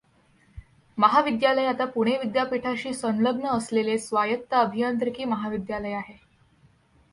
महाविद्यालय आता पुणे विद्यापीठाशी संलग्न असलेले स्वायत्त अभियांत्रिकी महाविद्यालय आहे.